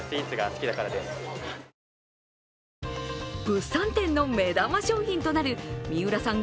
物産展の目玉商品となる三浦さん